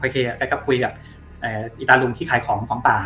แกก็คุยกับอีตาลุงที่ขายของของป่า